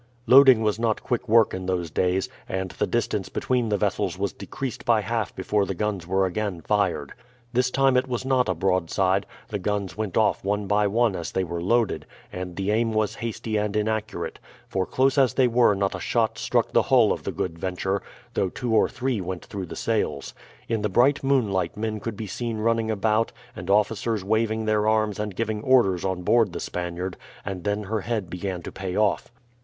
Loading was not quick work in those days, and the distance between the vessels was decreased by half before the guns were again fired. This time it was not a broadside; the guns went off one by one as they were loaded, and the aim was hasty and inaccurate, for close as they were not a shot struck the hull of the Good Venture, though two or three went through the sails. In the bright moonlight men could be seen running about and officers waving their arms and giving orders on board the Spaniard, and then her head began to pay off.